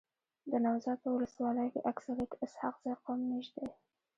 دنوزاد په ولسوالۍ کي اکثريت اسحق زی قوم میشت دی.